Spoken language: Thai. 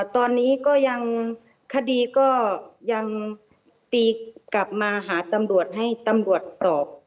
ตอนนี้ก็ยังคดีก็ยังตีกลับมาหาตำรวจให้ตำรวจสอบ